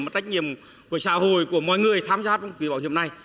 mà trách nhiệm của xã hội của mọi người tham gia trong kỳ bảo hiểm này